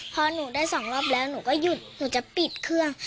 พอหนูได้สองรอบแล้วหนูก็หยุดหนูจะปิดเครื่อง